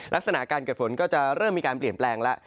ลักษณะการเกิดฝนก็จะเริ่มมีการเปลี่ยนแปลงแล้ว